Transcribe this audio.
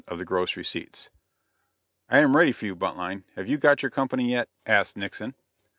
of the gross receipts. "I am ready for you, Buntline. Have you got your company yet?" asked Nixon.